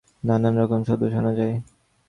নানান রকম শব্দ শোনা যায়।